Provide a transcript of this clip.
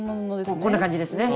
もうこんな感じですね。